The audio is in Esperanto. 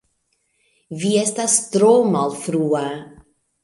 Vi estas tro malfrua